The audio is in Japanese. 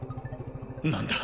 何だ？